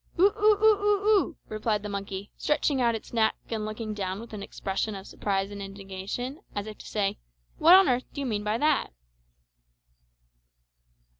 "O o o oo oo!" replied the monkey, stretching out its neck and looking down with an expression of surprise and indignation, as if to say, "What on earth do you mean by that?"